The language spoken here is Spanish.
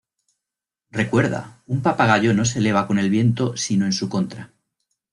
Recuerda, un papagayo no se eleva con el viento sino en su contra".